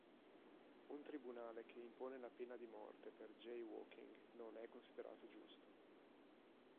Un tribunale che impone la pena di morte per jaywalking non è considerato giusto.